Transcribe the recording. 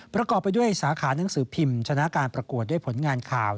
ประกอบไปด้วยสาขานังสือพิมพ์ชนะการประกวดด้วยผลงานข่าว